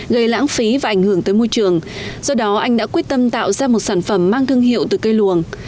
gây lãng phí và ảnh hưởng tới môi trường do đó anh đã quyết tâm tạo ra một sản phẩm mang thương hiệu từ cây luồng